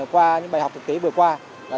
qua những bài học thực tế vừa qua